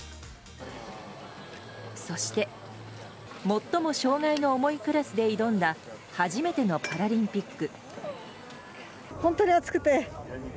そして、最も障害の重いクラスで挑んだ初めてのパラリンピック。